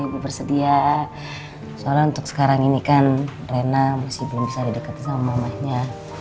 gue bersedia soalnya untuk sekarang ini kan rena masih belum bisa didekati sama mamanya